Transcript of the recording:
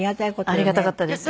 ありがたかったです。